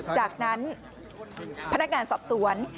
จากนั้นพนักงานสอบสวน